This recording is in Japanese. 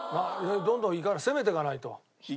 どんどん攻めていかないと。